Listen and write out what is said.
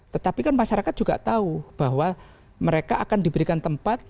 tetapi kan masyarakat juga tahu bahwa mereka akan diberikan tempat